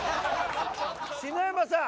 ・篠山さん！